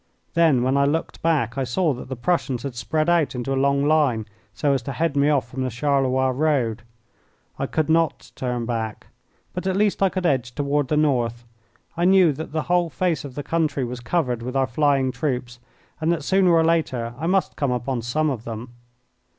Then when I looked back I saw that the Prussians had spread out into a long line, so as to head me off from the Charleroi road. I could not turn back, but at least I could edge toward the north. I knew that the whole face of the country was covered with our flying troops, and that sooner or later I must come upon some of them.